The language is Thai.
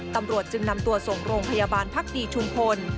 ตำรวจจึงนำตัวส่งโรงพยาบาลพักดีชุมพล